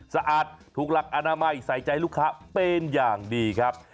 สะอาดถูกหลักอนามัยใส่ใจลูกค้าเป็นอย่างดีครับ